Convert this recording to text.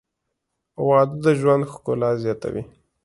• واده د ژوند ښکلا زیاتوي.